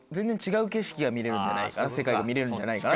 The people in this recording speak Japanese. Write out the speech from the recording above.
世界が見れるんじゃないか。